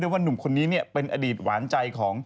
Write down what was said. ว่านุ่มคนนี้เป็นอดีตหวานใจของ